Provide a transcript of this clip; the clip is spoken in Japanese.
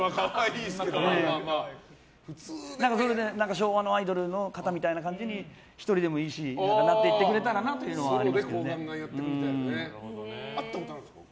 昭和のアイドルの方みたいな感じで１人でもいいしなっていってくれたらな会ったことあるんですか？